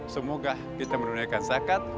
semoga kita menunjukan zakat